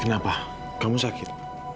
kenapa kamu sakit